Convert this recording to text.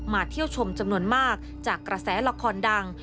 เที่ยวชมจำนวนมากจากกระแสละครดัง